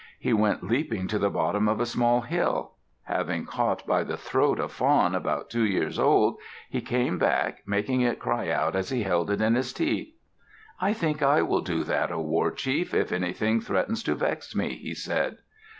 He went leaping to the bottom of a small hill. Having caught by the throat a fawn, about two years old, he came back, making it cry out as he held it in his teeth. "I think I will do that, O war chief, if anything threatens to vex me," he said.